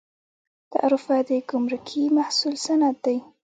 تعرفه د ګمرکي محصول سند دی